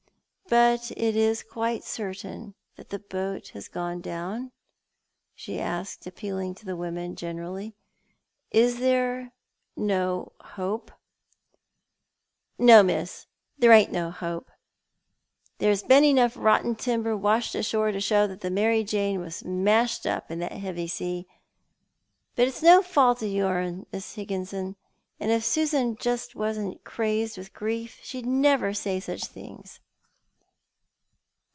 But is it quite certain that the boat has gone down?" she asked, appealing to the women generally. " Is there no hope ?"" No, miss, there ain't no hope — there's been enough rotten timber washed ashore to show that the Mary Jane was mashed up in that heavy sea. But it's no fault o' yourn, Miss Iligginson, and if Susan wasn't just crazed with grief she'd never say such things."